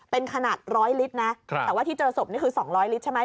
เป็นขนาดร้อยลิตรนะแต่ว่าที่เจอศพนี่คือ๒๐๐ลิตรใช่ไหม